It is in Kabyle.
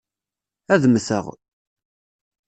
Ad mmteɣ.